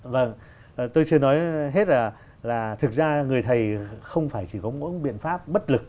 vâng tôi chưa nói hết là thực ra người thầy không phải chỉ có mỗi biện pháp bất lực